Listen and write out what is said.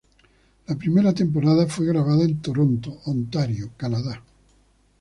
La primera temporada fue grabada en Toronto, Ontario, Canadá.